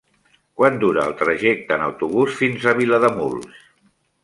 Quant dura el trajecte en autobús fins a Vilademuls?